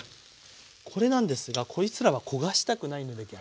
これなんですがこいつらは焦がしたくないので逆に。